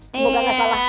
semoga gak salah